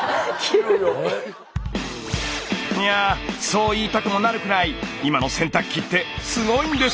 いやそう言いたくもなるくらい今の洗濯機ってすごいんです。